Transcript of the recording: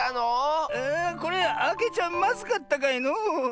これあけちゃまずかったかのう？